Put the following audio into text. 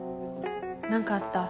何かあった？